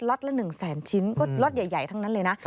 ตละ๑แสนชิ้นก็ล็อตใหญ่ทั้งนั้นเลยนะ